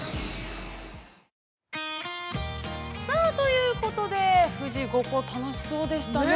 ◆さあ、ということで、富士五湖、楽しそうでしたね。